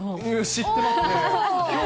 知ってますね。